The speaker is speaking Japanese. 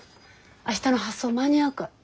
明日の発送間に合うかって。